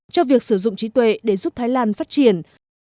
cho việc sử dụng trí tuệ để giúp thái lan phát triển